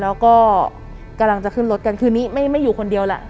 แล้วก็กำลังจะขึ้นรถกันคืนนี้ไม่อยู่คนเดียวแหละ